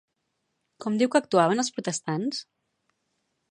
Com diu que actuaven els protestants?